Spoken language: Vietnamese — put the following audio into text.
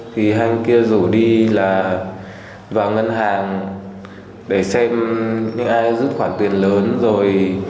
thì anh kia rủ đi là vào ngân hàng để xem những ai rút khoản tiền lớn rồi